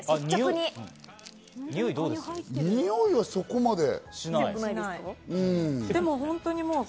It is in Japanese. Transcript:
においは、そこまでしない。